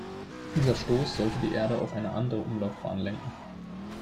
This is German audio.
Dieser Stoß sollte die Erde auf eine andere Umlaufbahn lenken.